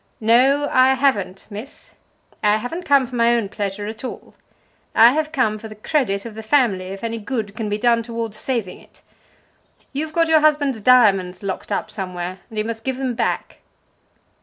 "No, I haven't, miss. I haven't come for my own pleasure at all. I have come for the credit of the family, if any good can be done towards saving it. You've got your husband's diamonds locked up somewhere, and you must give them back."